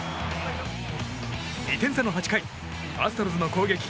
２点差の８回アストロズの攻撃。